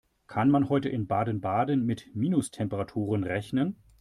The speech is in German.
Kann man heute in Baden-Baden mit Minustemperaturen rechnen?